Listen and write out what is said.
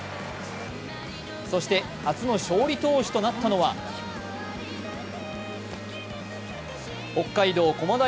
そして、初の勝利投手となったのは北海道の駒大